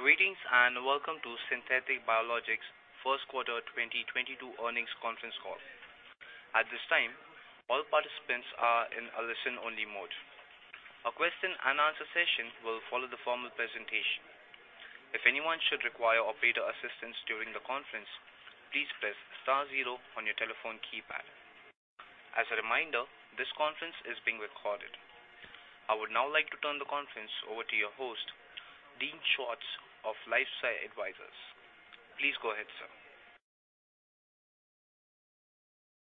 Greetings, and welcome to Theriva Biologics' First Quarter 2022 Earnings Conference Call. At this time, all participants are in a listen-only mode. A question and answer session will follow the formal presentation. If anyone should require operator assistance during the conference, please press star zero on your telephone keypad. As a reminder, this conference is being recorded. I would now like to turn the conference over to your host, Dean Schwartz of LifeSci Advisors. Please go ahead, sir.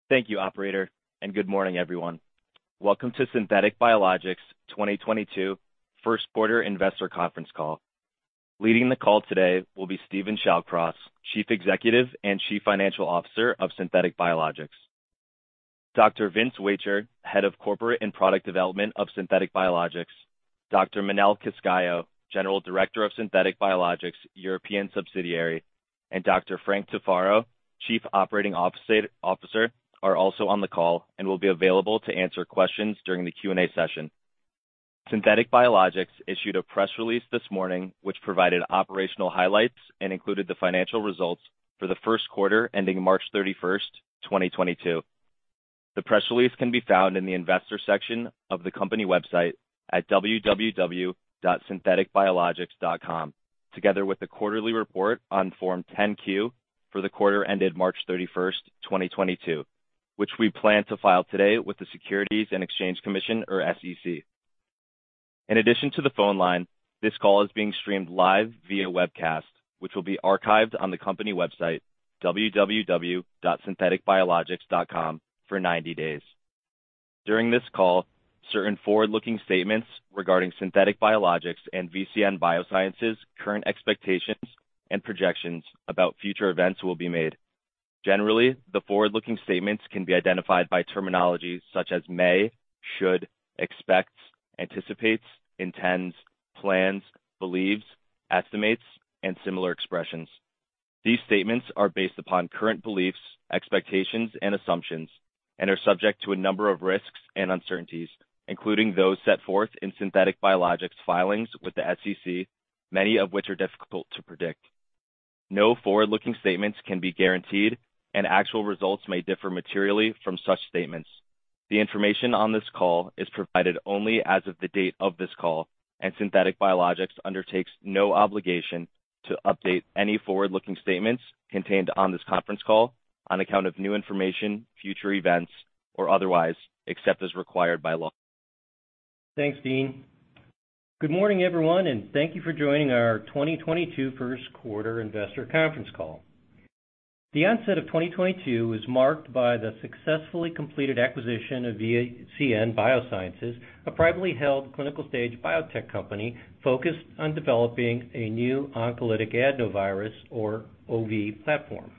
Thank you, operator, and good morning, everyone. Welcome to Theriva Biologics' 2022 first quarter investor conference call. Leading the call today will be Steven Shallcross, Chief Executive and Chief Financial Officer of Theriva Biologics. Dr. Vince Wacher, Head of Corporate and Product Development of Theriva Biologics, Dr. Manel Cascalló, General Director of Theriva Biologics' European subsidiary, and Dr. Frank Tufaro, Chief Operating Officer, are also on the call and will be available to answer questions during the Q&A session. Theriva Biologics issued a press release this morning which provided operational highlights and included the financial results for the first quarter ending March 31, 2022. The press release can be found in the investor section of the company website at www.syntheticbiologics.com, together with the quarterly report on Form 10-Q for the quarter ended March 31, 2022, which we plan to file today with the Securities and Exchange Commission, or SEC. In addition to the phone line, this call is being streamed live via webcast, which will be archived on the company website, www.syntheticbiologics.com, for 90 days. During this call, certain forward-looking statements regarding Theriva Biologics and VCN Biosciences' current expectations and projections about future events will be made. Generally, the forward-looking statements can be identified by terminology such as may, should, expects, anticipates, intends, plans, believes, estimates, and similar expressions. These statements are based upon current beliefs, expectations and assumptions and are subject to a number of risks and uncertainties, including those set forth in Theriva Biologics' filings with the SEC, many of which are difficult to predict. No forward-looking statements can be guaranteed, and actual results may differ materially from such statements. The information on this call is provided only as of the date of this call, and Theriva Biologics undertakes no obligation to update any forward-looking statements contained on this conference call on account of new information, future events, or otherwise, except as required by law. Thanks, Dean. Good morning, everyone, and thank you for joining our 2022 first quarter investor conference call. The onset of 2022 is marked by the successfully completed acquisition of VCN Biosciences, a privately held clinical-stage biotech company focused on developing a new oncolytic adenovirus, or OV platform.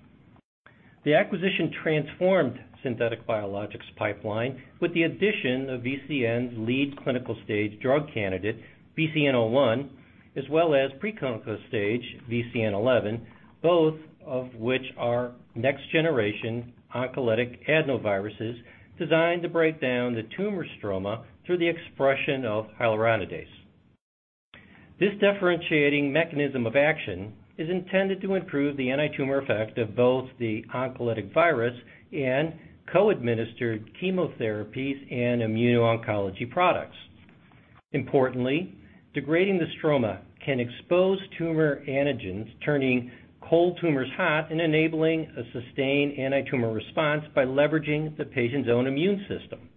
The acquisition transformed theriva Biologics' pipeline with the addition of VCN's lead clinical-stage drug candidate, VCN-01, as well as preclinical-stage VCN-11, both of which are next-generation oncolytic adenoviruses designed to break down the tumor stroma through the expression of hyaluronidase. This differentiating mechanism of action is intended to improve the antitumor effect of both the oncolytic virus and co-administered chemotherapies and immuno-oncology products. Importantly, degrading the stroma can expose tumor antigens, turning cold tumors hot and enabling a sustained antitumor response by leveraging the patient's own immune system.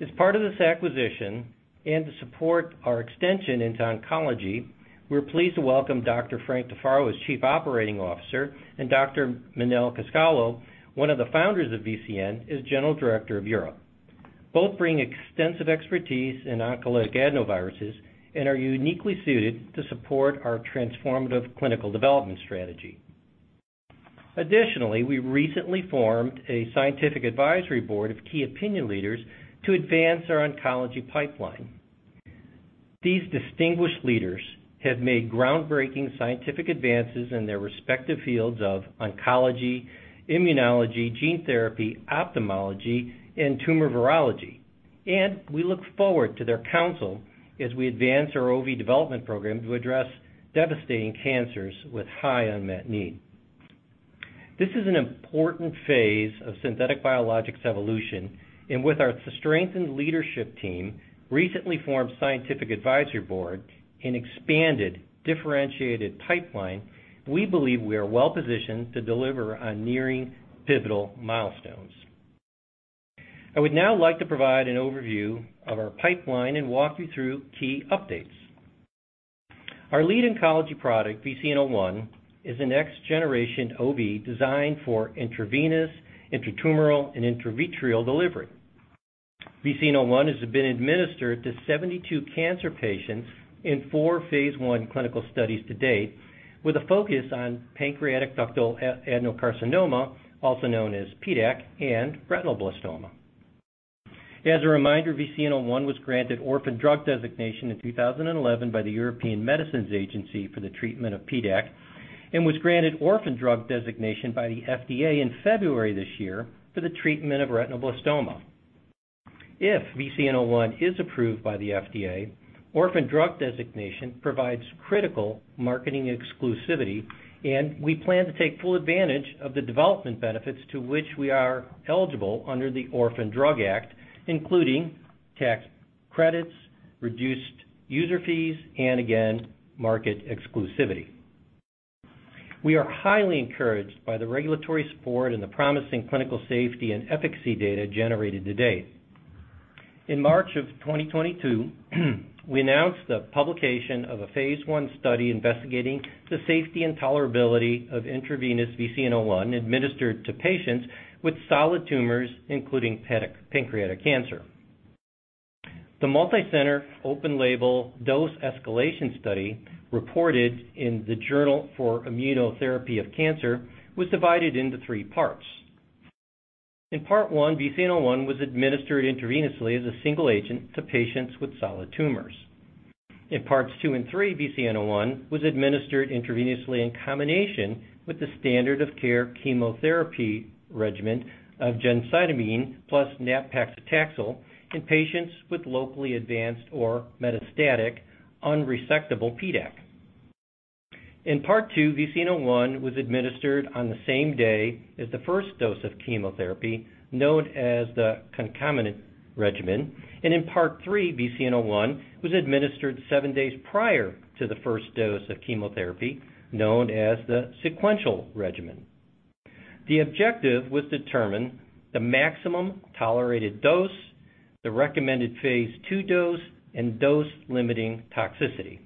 As part of this acquisition, and to support our extension into oncology, we're pleased to welcome Dr. Frank Tufaro as Chief Operating Officer, and Dr. Manel Cascalló, one of the founders of VCN, as General Director of Europe. Both bring extensive expertise in oncolytic adenoviruses and are uniquely suited to support our transformative clinical development strategy. Additionally, we recently formed a scientific advisory board of key opinion leaders to advance our oncology pipeline. These distinguished leaders have made groundbreaking scientific advances in their respective fields of oncology, immunology, gene therapy, ophthalmology, and tumor virology, and we look forward to their counsel as we advance our OV development program to address devastating cancers with high unmet need. This is an important phase of Theriva Biologics' evolution, and with our strengthened leadership team, recently formed scientific advisory board, and expanded differentiated pipeline, we believe we are well positioned to deliver on nearing pivotal milestones. I would now like to provide an overview of our pipeline and walk you through key updates. Our lead oncology product, VCN-01, is a next-generation OV designed for intravenous, intratumoral, and intravitreal delivery. VCN-01 has been administered to 72 cancer patients in four phase I clinical studies to date, with a focus on pancreatic ductal adenocarcinoma, also known as PDAC, and retinoblastoma. As a reminder, VCN-01 was granted orphan drug designation in 2011 by the European Medicines Agency for the treatment of PDAC, and was granted orphan drug designation by the FDA in February this year for the treatment of retinoblastoma. If VCN-01 is approved by the FDA, orphan drug designation provides critical marketing exclusivity, and we plan to take full advantage of the development benefits to which we are eligible under the Orphan Drug Act, including tax credits, reduced user fees, and again, market exclusivity. We are highly encouraged by the regulatory support and the promising clinical safety and efficacy data generated to date. In March of 2022, we announced the publication of a phase I study investigating the safety and tolerability of intravenous VCN-01 administered to patients with solid tumors, including pancreatic cancer. The multicenter open label dose escalation study, reported in the Journal for ImmunoTherapy of Cancer, was divided into three parts. In part one, VCN-01 was administered intravenously as a single agent to patients with solid tumors. In parts two and three, VCN-01 was administered intravenously in combination with the standard of care chemotherapy regimen of gemcitabine plus nab-paclitaxel in patients with locally advanced or metastatic unresectable PDAC. In part two, VCN-01 was administered on the same day as the first dose of chemotherapy, known as the concomitant regimen. In part three, VCN-01 was administered seven days prior to the first dose of chemotherapy, known as the sequential regimen. The objective was to determine the maximum tolerated dose, the recommended phase II dose, and dose-limiting toxicity.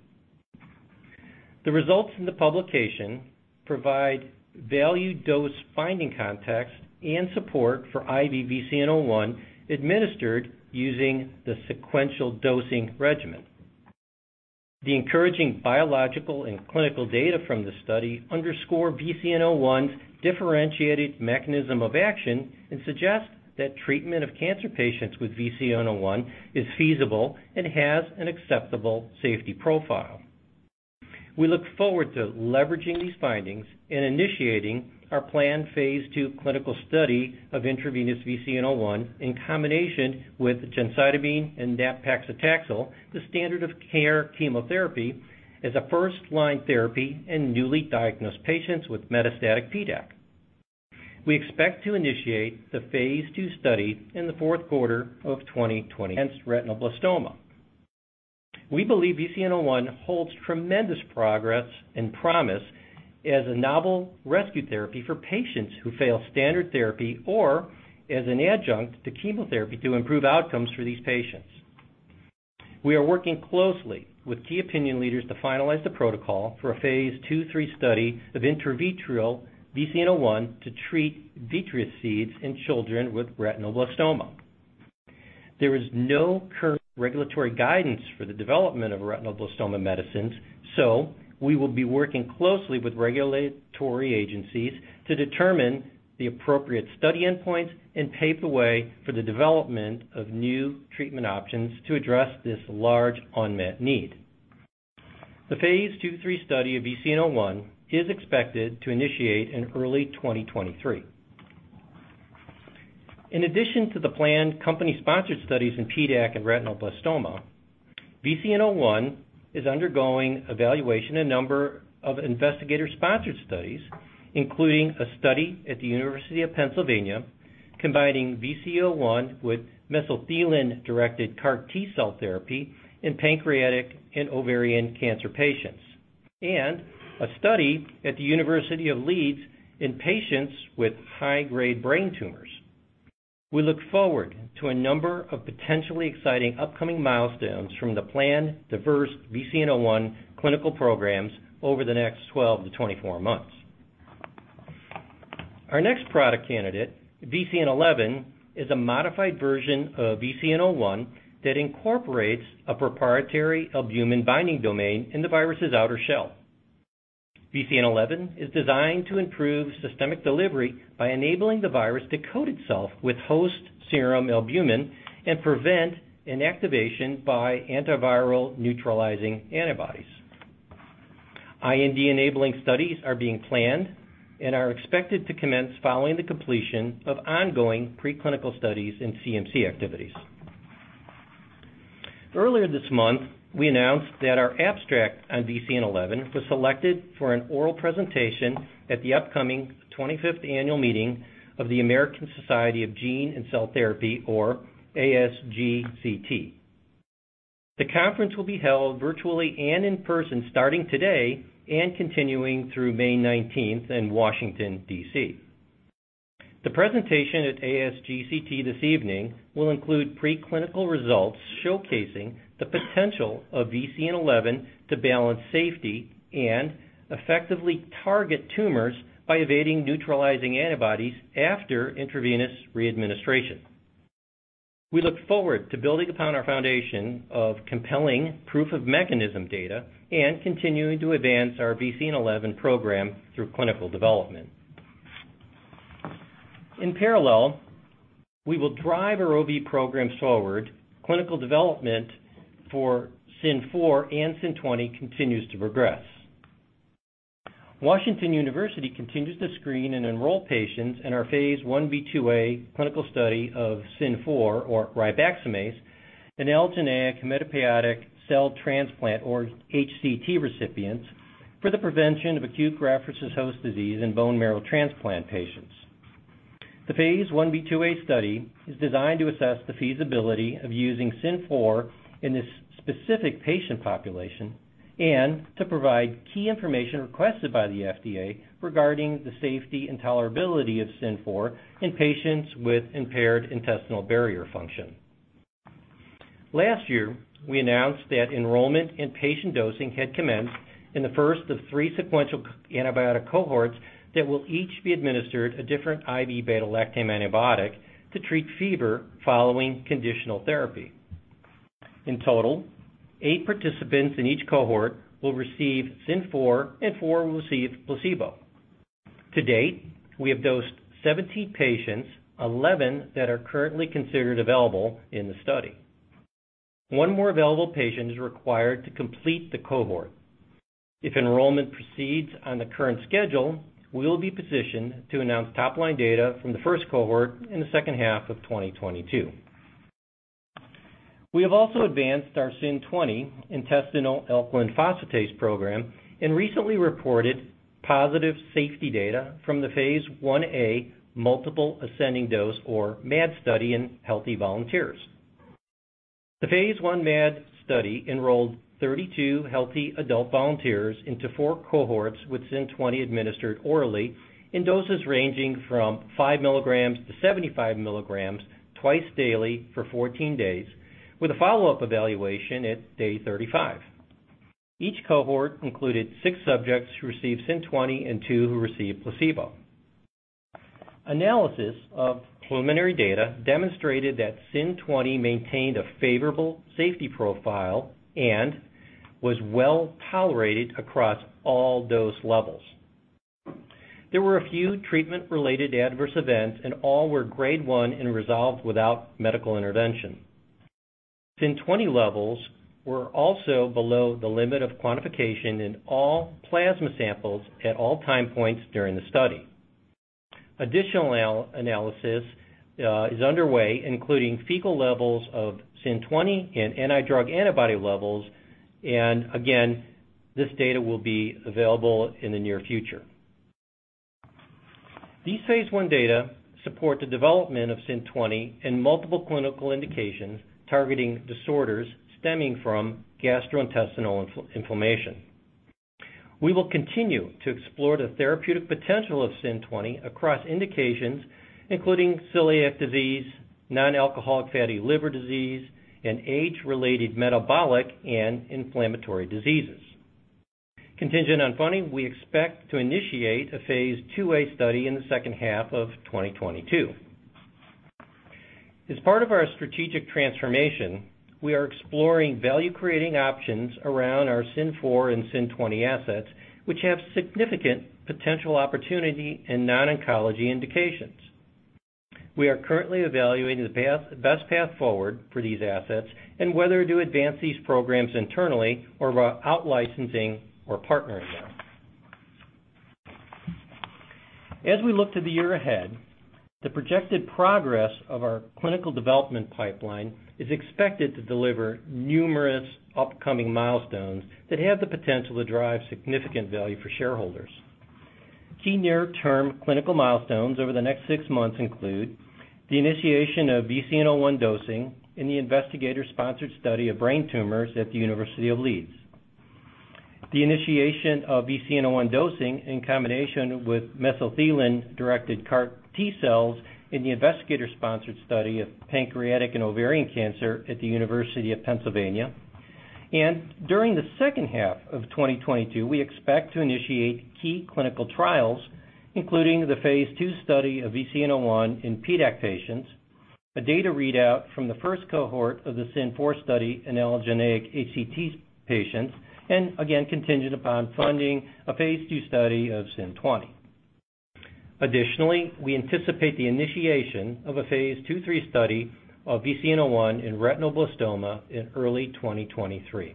The results from the publication provide valuable dose finding context and support for IV VCN-01 administered using the sequential dosing regimen. The encouraging biological and clinical data from this study underscore VCN-01's differentiated mechanism of action and suggest that treatment of cancer patients with VCN-01 is feasible and has an acceptable safety profile. We look forward to leveraging these findings and initiating our planned phase II clinical study of intravenous VCN-01 in combination with gemcitabine and nab-paclitaxel, the standard of care chemotherapy, as a first-line therapy in newly diagnosed patients with metastatic PDAC. We expect to initiate the phase II study in the fourth quarter of 2023. Retinoblastoma. We believe VCN-01 holds tremendous progress and promise as a novel rescue therapy for patients who fail standard therapy or as an adjunct to chemotherapy to improve outcomes for these patients. We are working closely with key opinion leaders to finalize the protocol for a phase II/III study of intravitreal VCN-01 to treat vitreous seeds in children with retinoblastoma. There is no current regulatory guidance for the development of retinoblastoma medicines, so we will be working closely with regulatory agencies to determine the appropriate study endpoints and pave the way for the development of new treatment options to address this large unmet need. The phase II/III study of VCN-01 is expected to initiate in early 2023. In addition to the planned company-sponsored studies in PDAC and retinoblastoma, VCN-01 is undergoing evaluation in a number of investigator-sponsored studies, including a study at the University of Pennsylvania combining VCN-01 with mesothelin-directed CAR T-cell therapy in pancreatic and ovarian cancer patients, and a study at the University of Leeds in patients with high-grade brain tumors. We look forward to a number of potentially exciting upcoming milestones from the planned diverse VCN-01 clinical programs over the next 12 to 24 months. Our next product candidate, VCN-11, is a modified version of VCN-01 that incorporates a proprietary albumin-binding domain in the virus's outer shell. VCN-11 is designed to improve systemic delivery by enabling the virus to coat itself with host serum albumin and prevent inactivation by antiviral neutralizing antibodies. IND-enabling studies are being planned and are expected to commence following the completion of ongoing preclinical studies and CMC activities. Earlier this month, we announced that our abstract on VCN-11 was selected for an oral presentation at the upcoming 25th annual meeting of the American Society of Gene & Cell Therapy, or ASGCT. The conference will be held virtually and in person starting today and continuing through May 19 in Washington, D.C. The presentation at ASGCT this evening will include preclinical results showcasing the potential of VCN-11 to balance safety and efficacy to effectively target tumors by evading neutralizing antibodies after intravenous re-administration. We look forward to building upon our foundation of compelling proof of mechanism data and continuing to advance our VCN-11 program through clinical development. In parallel, we will drive our OV program forward. Clinical development for SYN-004 and SYN-020 continues to progress. Washington University continues to screen and enroll patients in our phase 1b/2a clinical study of SYN-004 or ribaxamase in allogeneic hematopoietic cell transplant, or HCT recipients, for the prevention of acute graft-versus-host disease in bone marrow transplant patients. The phase 1b/2a study is designed to assess the feasibility of using SYN-004 in this specific patient population and to provide key information requested by the FDA regarding the safety and tolerability of SYN-004 in patients with impaired intestinal barrier function. Last year, we announced that enrollment in patient dosing had commenced in the first of three sequential antibiotic cohorts that will each be administered a different IV beta-lactam antibiotic to treat fever following conditioning therapy. In total, eight participants in each cohort will receive SYN-004 and four will receive placebo. To date, we have dosed 17 patients, 11 that are currently considered available in the study. One more available patient is required to complete the cohort. If enrollment proceeds on the current schedule, we will be positioned to announce top-line data from the first cohort in the second half of 2022. We have also advanced our SYN-020 intestinal alkaline phosphatase program and recently reported positive safety data from the phase 1a multiple ascending dose, or MAD, study in healthy volunteers. The phase 1a MAD study enrolled 32 healthy adult volunteers into four cohorts, with SYN-020 administered orally in doses ranging from 5 mg to 75 mg twice daily for 14 days, with a follow-up evaluation at day 35. Each cohort included six subjects who received SYN-020 and two who received placebo. Analysis of preliminary data demonstrated that SYN-020 maintained a favorable safety profile and was well-tolerated across all dose levels. There were a few treatment-related adverse events, and all were grade 1 and resolved without medical intervention. SYN-020 levels were also below the limit of quantification in all plasma samples at all time points during the study. Additional analysis is underway, including fecal levels of SYN-020 and anti-drug antibody levels, and again, this data will be available in the near future. These phase I data support the development of SYN-020 in multiple clinical indications targeting disorders stemming from gastrointestinal inflammation. We will continue to explore the therapeutic potential of SYN-020 across indications including celiac disease, non-alcoholic fatty liver disease, and age-related metabolic and inflammatory diseases. Contingent on funding, we expect to initiate a phase 2a study in the second half of 2022. As part of our strategic transformation, we are exploring value-creating options around our SYN-004 and SYN-020 assets, which have significant potential opportunity in non-oncology indications. We are currently evaluating the path, best path forward for these assets and whether to advance these programs internally or by out-licensing or partnering them. As we look to the year ahead, the projected progress of our clinical development pipeline is expected to deliver numerous upcoming milestones that have the potential to drive significant value for shareholders. Key near-term clinical milestones over the next six months include the initiation of VCN-01 dosing in the investigator-sponsored study of brain tumors at the University of Leeds, the initiation of VCN-01 dosing in combination with mesothelin-directed CAR T-cells in the investigator-sponsored study of pancreatic and ovarian cancer at the University of Pennsylvania. During the second half of 2022, we expect to initiate key clinical trials, including the phase II study of VCN-01 in PDAC patients, a data readout from the first cohort of the SYN-004 study in allogeneic HCT patients, and again, contingent upon funding, a phase II study of SYN-020. Additionally, we anticipate the initiation of a phase II/III study of VCN-01 in retinoblastoma in early 2023.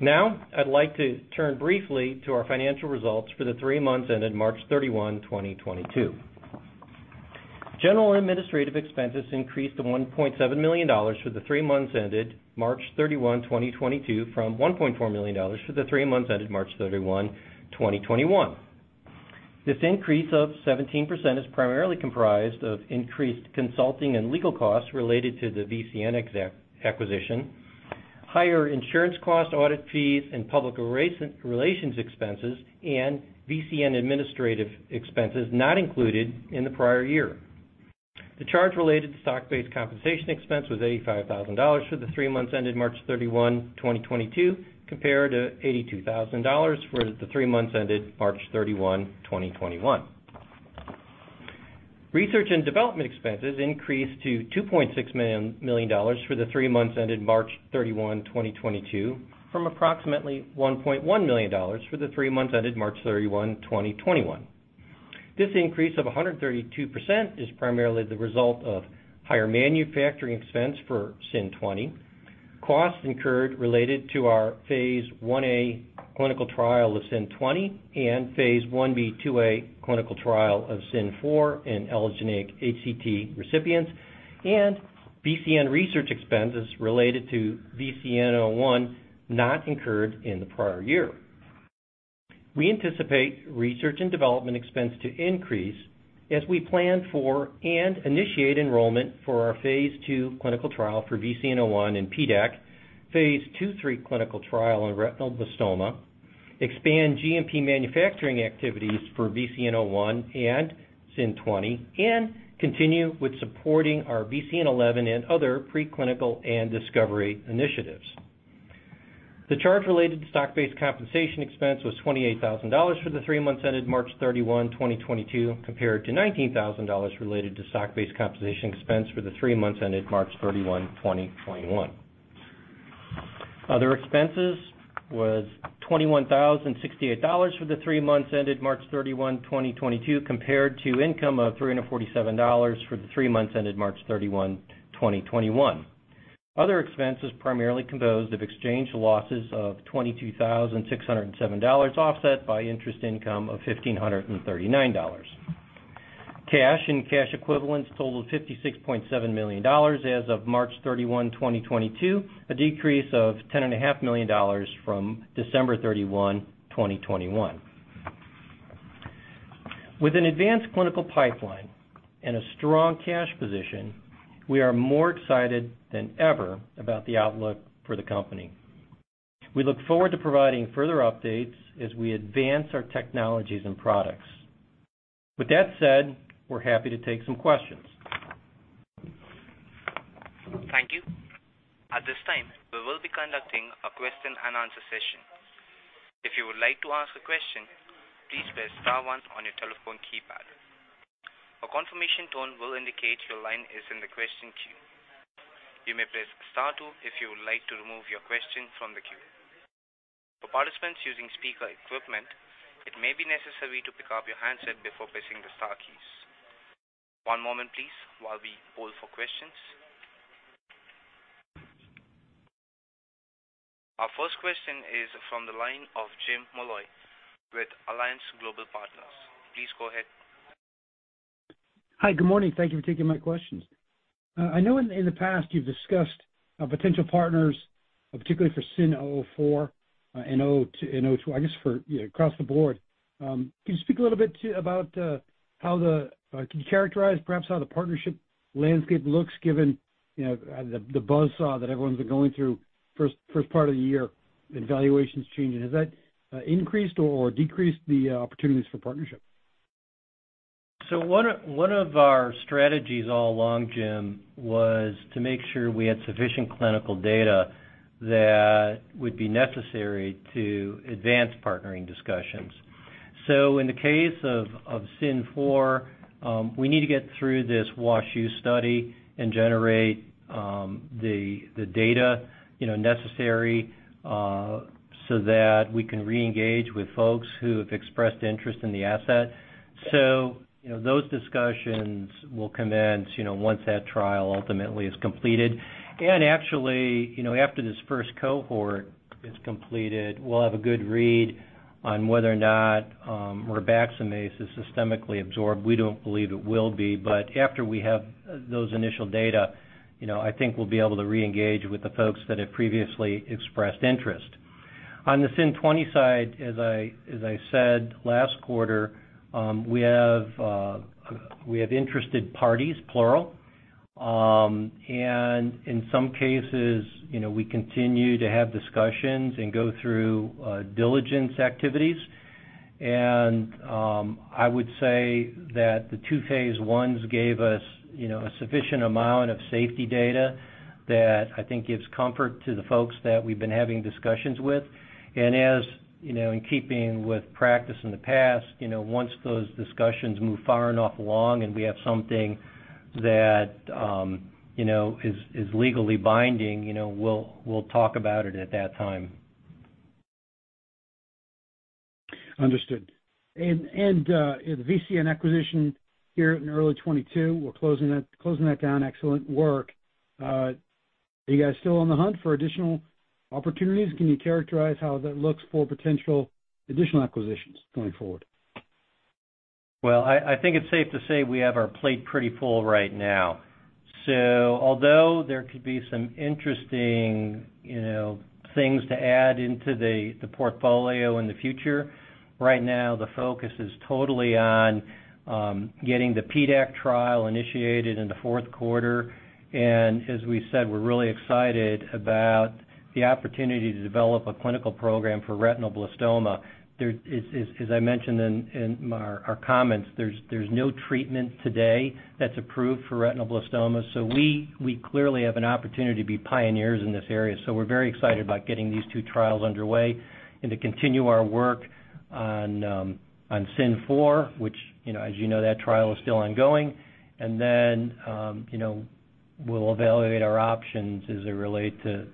Now I'd like to turn briefly to our financial results for the three months ended March 31, 2022. General and administrative expenses increased to $1.7 million for the three months ended March 31, 2022, from $1.4 million for the three months ended March 31, 2021. This increase of 17% is primarily comprised of increased consulting and legal costs related to the VCN acquisition, higher insurance costs, audit fees, and public relations expenses, and VCN administrative expenses not included in the prior year. The charge related to stock-based compensation expense was $85,000 for the three months ended March 31, 2022, compared to $82,000 for the three months ended March 31, 2021. Research and development expenses increased to $2.6 million for the three months ended March 31, 2022 from approximately $1.1 million for the three months ended March 31, 2021. This increase of 132% is primarily the result of higher manufacturing expense for SYN-020, costs incurred related to our phase 1a clinical trial of SYN-020 and phase 1b/2a clinical trial of SYN-004 in allogeneic HCT recipients and VCN research expenses related to VCN-01 not incurred in the prior year. We anticipate research and development expense to increase as we plan for and initiate enrollment for our phase II clinical trial for VCN-01 in PDAC, phase II/III clinical trial in retinoblastoma, expand GMP manufacturing activities for VCN-01 and SYN-020 and continue with supporting our VCN-11 and other preclinical and discovery initiatives. The charge related to stock-based compensation expense was $28,000 for the three months ended March 31, 2022, compared to $19,000 related to stock-based compensation expense for the three months ended March 31, 2021. Other expenses was $21,068 for the three months ended March 31, 2022, compared to income of $347 for the three months ended March 31, 2021. Other expenses primarily composed of exchange losses of $22,607, offset by interest income of $1,539. Cash and cash equivalents totaled $56.7 million as of March 31, 2022, a decrease of $10.5 million from December 31, 2021. With an advanced clinical pipeline and a strong cash position, we are more excited than ever about the outlook for the company. We look forward to providing further updates as we advance our technologies and products. With that said, we're happy to take some questions. Thank you. At this time, we will be conducting a question and answer session. If you would like to ask a question, please press star one on your telephone keypad. A confirmation tone will indicate your line is in the question queue. You may press star two if you would like to remove your question from the queue. For participants using speaker equipment, it may be necessary to pick up your handset before pressing the star keys. One moment please while we poll for questions. Our first question is from the line of James Molloy with Alliance Global Partners. Please go ahead. Hi, good morning. Thank you for taking my questions. I know in the past you've discussed potential partners, particularly for SYN-004 and SYN-020, I guess for, you know, across the board. Can you characterize perhaps how the partnership landscape looks given, you know, the buzz saw that everyone's been going through first part of the year and valuations changing? Has that increased or decreased the opportunities for partnership? One of our strategies all along, Jim, was to make sure we had sufficient clinical data that would be necessary to advance partnering discussions. In the case of SYN-004, we need to get through this WashU study and generate the data, you know, necessary so that we can reengage with folks who have expressed interest in the asset. You know, those discussions will commence, you know, once that trial ultimately is completed. Actually, you know, after this first cohort is completed, we'll have a good read on whether or not ribaxamase is systemically absorbed. We don't believe it will be, but after we have those initial data, you know, I think we'll be able to reengage with the folks that have previously expressed interest. On the SYN-020 side, as I said last quarter, we have interested parties, plural. In some cases, you know, we continue to have discussions and go through diligence activities. I would say that the two phase ones gave us, you know, a sufficient amount of safety data that I think gives comfort to the folks that we've been having discussions with. As you know, in keeping with practice in the past, you know, once those discussions move far enough along and we have something that is legally binding, you know, we'll talk about it at that time. Understood. The VCN acquisition here in early 2022, we're closing that down, excellent work. Are you guys still on the hunt for additional opportunities? Can you characterize how that looks for potential additional acquisitions going forward? Well, I think it's safe to say we have our plate pretty full right now. Although there could be some interesting, you know, things to add into the portfolio in the future, right now the focus is totally on getting the PDAC trial initiated in the fourth quarter. As we said, we're really excited about the opportunity to develop a clinical program for retinoblastoma. There is, as I mentioned in our comments, there's no treatment today that's approved for retinoblastoma. We clearly have an opportunity to be pioneers in this area. We're very excited about getting these two trials underway and to continue our work on SYN-004, which, you know, as you know, that trial is still ongoing. You know, we'll evaluate our options as it relate to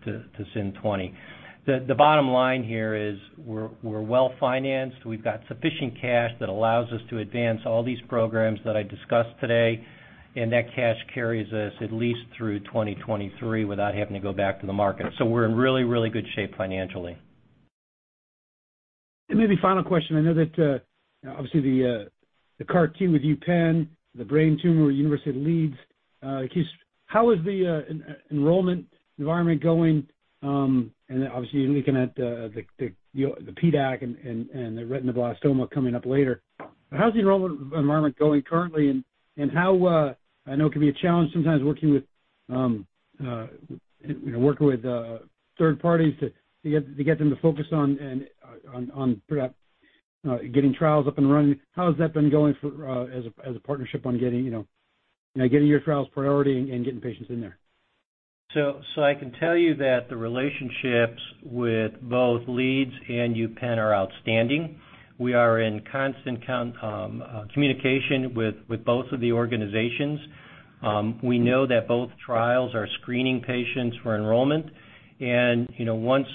SYN-020. The bottom line here is we're well-financed. We've got sufficient cash that allows us to advance all these programs that I discussed today, and that cash carries us at least through 2023 without having to go back to the market. We're in really, really good shape financially. Maybe final question. I know that obviously the CAR-T with UPenn, the brain tumor with University of Leeds, how is the enrollment environment going? Then obviously looking at the, you know, the PDAC and the retinoblastoma coming up later. How's the enrollment environment going currently, and how. I know it can be a challenge sometimes working with, you know, working with third parties to get them to focus on perhaps getting trials up and running. How has that been going for as a partnership on getting, you know, getting your trials priority and getting patients in there? I can tell you that the relationships with both Leeds and UPenn are outstanding. We are in constant communication with both of the organizations. We know that both trials are screening patients for enrollment. You know, once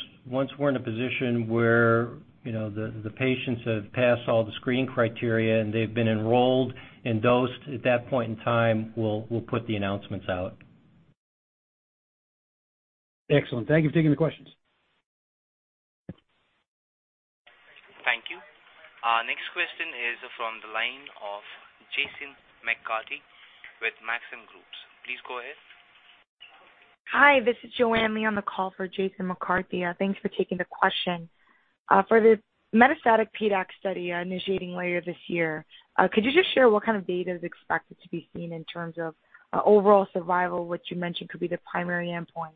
we're in a position where, you know, the patients have passed all the screening criteria and they've been enrolled and dosed, at that point in time we'll put the announcements out. Excellent. Thank you for taking the questions. Thank you. Our next question is from the line of Jason McCarthy with Maxim Group. Please go ahead. Hi, this is Joanne Lee on the call for Jason McCarthy. Thanks for taking the question. For the metastatic PDAC study, initiating later this year, could you just share what kind of data is expected to be seen in terms of, overall survival, which you mentioned could be the primary endpoint,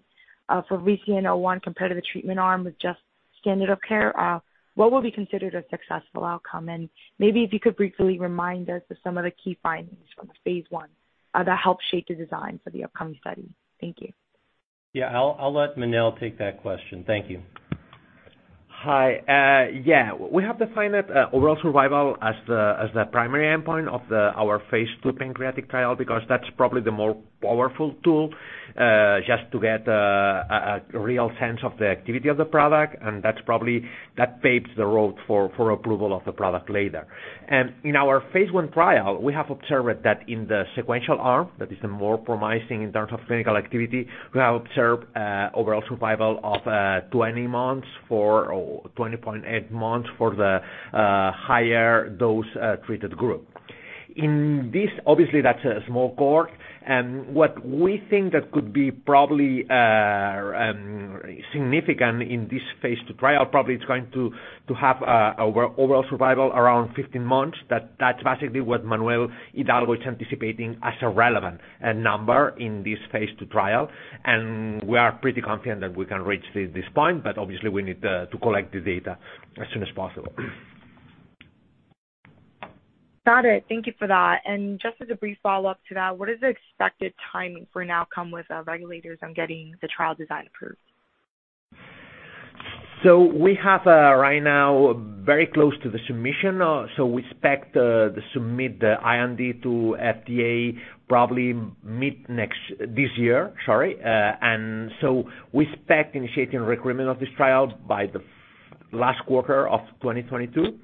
for VCN-01 compared to the treatment arm with just standard of care? What would be considered a successful outcome? Maybe if you could briefly remind us of some of the key findings from phase one, that helped shape the design for the upcoming study. Thank you. Yeah. I'll let Manel take that question. Thank you. Hi. Yeah, we have defined it overall survival as the primary endpoint of our phase II pancreatic trial because that's probably the more powerful tool just to get a real sense of the activity of the product. That's probably that paves the road for approval of the product later. In our phase I trial, we have observed that in the sequential arm that is the more promising in terms of clinical activity. We have observed overall survival of 20 months or 20.8 months for the higher dose treated group. Obviously, that's a small cohort. What we think that could be probably significant in this phase II trial, probably it's going to have a overall survival around 15 months. That, that's basically what Manuel Hidalgo is anticipating as a relevant number in this phase II trial. We are pretty confident that we can reach this point, but obviously we need to collect the data as soon as possible. Got it. Thank you for that. Just as a brief follow-up to that, what is the expected timing for an outcome with regulators on getting the trial design approved? We have right now very close to the submission. We expect to submit the IND to FDA probably mid this year, sorry. We expect initiating recruitment of this trial by the last quarter of 2022.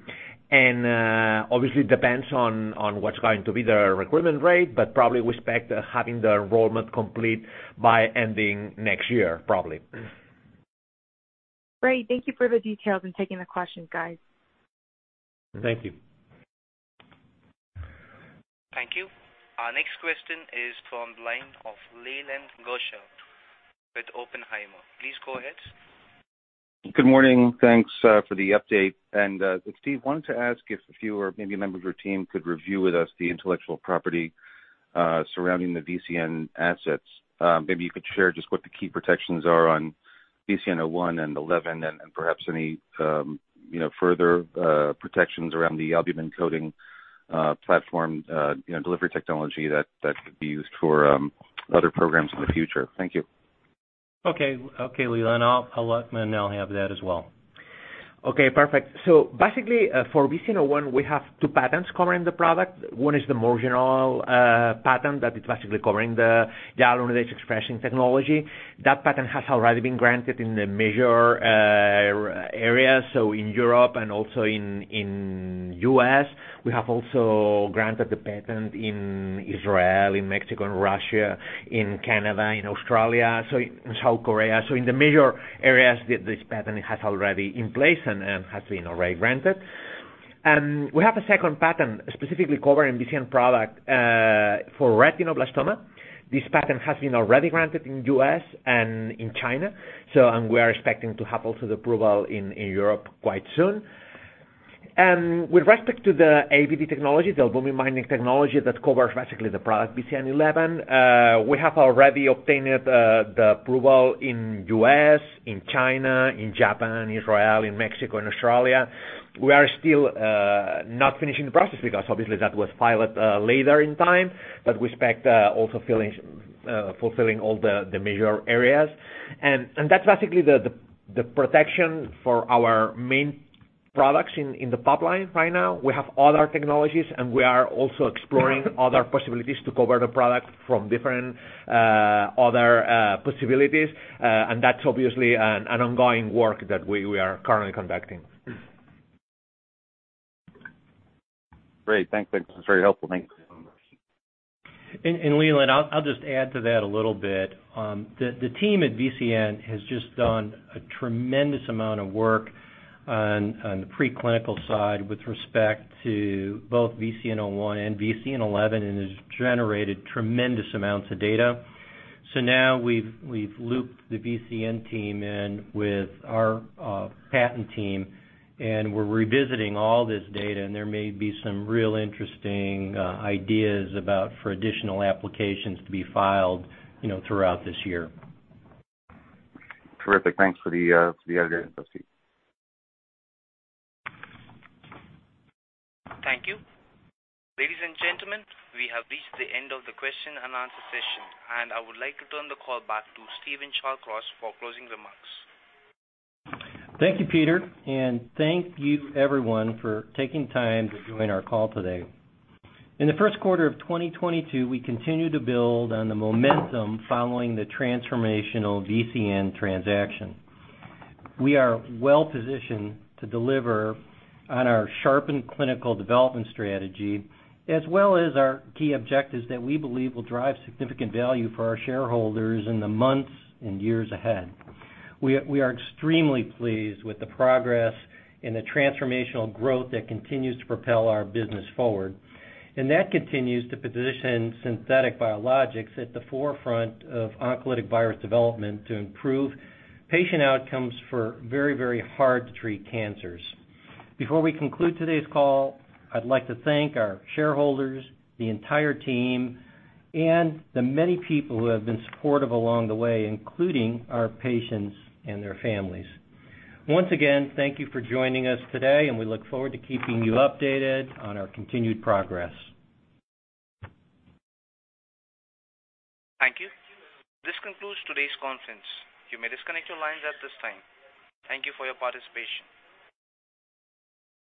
Obviously it depends on what's going to be the recruitment rate, but probably we expect having the enrollment complete by ending next year, probably. Great. Thank you for the details and taking the questions, guys. Thank you. Thank you. Our next question is from the line of Leland Gershell with Oppenheimer. Please go ahead. Good morning. Thanks for the update. Steve, wanted to ask if you or maybe a member of your team could review with us the intellectual property surrounding the VCN assets. Maybe you could share just what the key protections are on VCN-01 and VCN-11 and perhaps any you know further protections around the albumin coating platform you know delivery technology that could be used for other programs in the future. Thank you. Okay, Leland. I'll let Manel handle that as well. Okay, perfect. Basically, for VCN-01, we have two patents covering the product. One is the more general patent that is basically covering the hyaluronidase expressing technology. That patent has already been granted in the major areas, so in Europe and also in the U.S. We have also granted the patent in Israel, Mexico and Russia, Canada, Australia and South Korea. In the major areas, this patent is already in place and has been already granted. We have a second patent specifically covering VCN-01 for retinoblastoma. This patent has been already granted in the U.S. and in China. We are expecting to have also the approval in Europe quite soon. With respect to the ABD technology, the albumin binding technology that covers basically the product VCN-11, we have already obtained the approval in U.S., in China, in Japan, Israel, in Mexico, and Australia. We are still not finishing the process because obviously that was filed later in time, but we expect also fulfilling all the major areas. That's basically the protection for our main products in the pipeline right now, we have other technologies, and we are also exploring other possibilities to cover the product from different other possibilities. That's obviously an ongoing work that we are currently conducting. Great. Thanks. That was very helpful. Thanks. Leland, I'll just add to that a little bit. The team at VCN has just done a tremendous amount of work on the preclinical side with respect to both VCN-01 and VCN-11 and has generated tremendous amounts of data. Now we've looped the VCN team in with our patent team, and we're revisiting all this data, and there may be some real interesting ideas for additional applications to be filed, you know, throughout this year. Terrific. Thanks for the update, Steven. Thank you. Ladies and gentlemen, we have reached the end of the question and answer session, and I would like to turn the call back to Steven Shallcross for closing remarks. Thank you, Peter, and thank you everyone for taking time to join our call today. In the first quarter of 2022, we continued to build on the momentum following the transformational VCN transaction. We are well-positioned to deliver on our sharpened clinical development strategy, as well as our key objectives that we believe will drive significant value for our shareholders in the months and years ahead. We are extremely pleased with the progress and the transformational growth that continues to propel our business forward. That continues to position Theriva Biologics at the forefront of oncolytic virus development to improve patient outcomes for very, very hard to treat cancers. Before we conclude today's call, I'd like to thank our shareholders, the entire team, and the many people who have been supportive along the way, including our patients and their families. Once again, thank you for joining us today, and we look forward to keeping you updated on our continued progress. Thank you. This concludes today's conference. You may disconnect your lines at this time. Thank you for your participation.